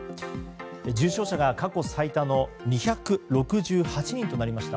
重症者が過去最多の２６８人となりました